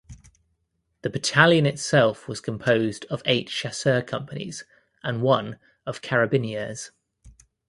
The battalion itself was composed of eight chasseur companies and one of carabiniers.